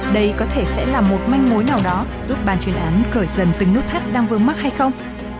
đây có thể sẽ là một manh mối nào đó giúp ban chuyên án khởi dần từng nút thắt đang vướng mắt hay không